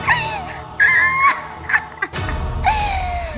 kau bukan si penopeng kenterimani